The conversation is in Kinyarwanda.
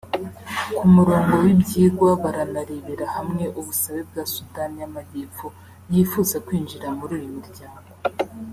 Ku murongo w’ibyigwa baranarebera hamwe ubusabe bwa Sudani y’Amajyepfo yifuza kwinjira muri uyu muryango